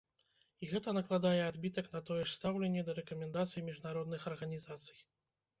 І гэта накладвае адбітак на тое ж стаўленне да рэкамендацый міжнародных арганізацый.